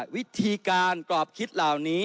วิธีการกรอบคิดเหล่านี้